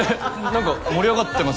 何か盛り上がってます？